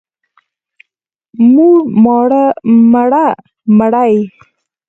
موړ، ماړه، مړه، مړې.